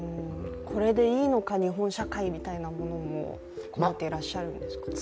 これでいいのか、日本社会みたいなものももっていらっしゃるんですか？